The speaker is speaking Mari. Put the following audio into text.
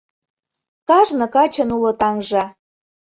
Кажне качын уло таҥже